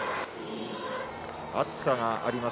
暑さがあります